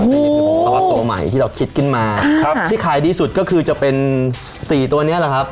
เพราะว่าตัวใหม่ที่เราคิดขึ้นมาที่ขายดีสุดก็คือจะเป็น๔ตัวนี้แหละครับ